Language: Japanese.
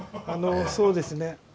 そうですね。